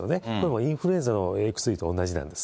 インフルエンザの薬と同じなんです。